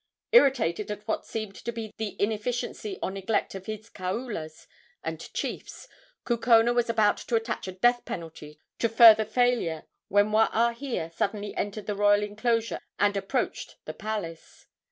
Irritated at what seemed to be the inefficiency or neglect of his kaulas and chiefs, Kukona was about to attach a death penalty to further failure when Waahia suddenly entered the royal enclosure and approached the palace.